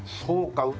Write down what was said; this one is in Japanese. そうか。